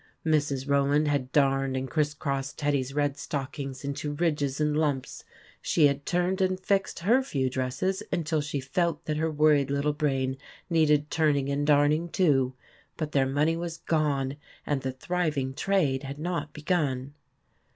Mrs. Rowland had darned and crisscrossed Teddy's red stockings into ridges and lumps ; she had turned and "fixed" her few dresses until she felt that her worried little brain needed turning and darning, too. But their money was gone, and the thriving trade had not begun.